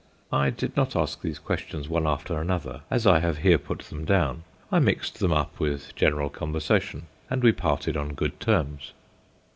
I did not ask these questions one after another as I have here put them down; I mixed them up with general conversation, and we parted on good terms.